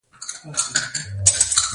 په افغانستان کې د ژبې تاریخ اوږد دی.